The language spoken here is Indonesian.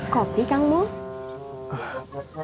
kopi jang mau